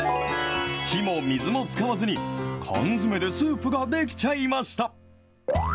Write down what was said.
火も水も使わずに、缶詰でスープが出来ちゃいました。